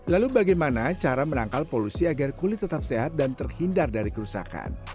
lalu bagaimana cara menangkal polusi agar kulit tetap sehat dan terhindar dari kerusakan